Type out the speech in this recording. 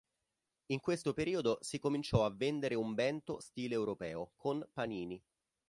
In questo periodo si cominciò a vendere un bento stile europeo, con panini.